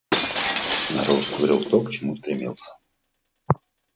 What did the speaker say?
Народ обрел то, к чему стремился.